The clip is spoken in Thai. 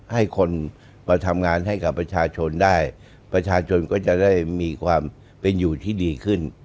ให้กับประชาชนได้ประชาชนก็จะได้มีความเป็นอยู่ที่ดีขึ้น